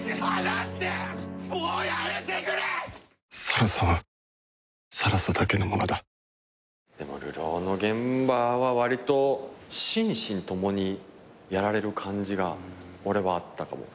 「更紗は更紗だけのものだ」でも『流浪』の現場はわりと心身共にやられる感じが俺はあったかも。